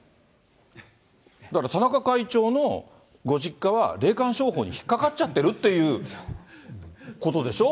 だから、田中会長のご実家は、霊感商法に引っ掛かっちゃってるっていうことでしょ。